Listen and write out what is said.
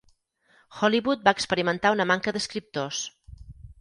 Hollywood va experimentar una manca d'escriptors.